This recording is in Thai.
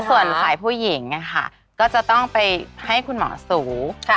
แล้วก็ส่วนฝ่ายผู้หญิงค่ะก็จะต้องไปให้คุณหมอสูร